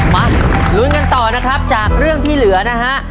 มาลุ้นกันต่อนะครับจากเรื่องที่เหลือนะฮะ